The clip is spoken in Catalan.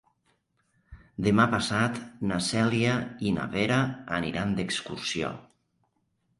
Demà passat na Cèlia i na Vera aniran d'excursió.